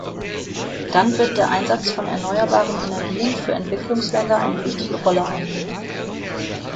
Dann wird der Einsatz von erneuerbaren Energien für Entwicklungsländer eine wichtige Rolle einnehmen.